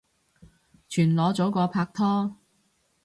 全裸早過拍拖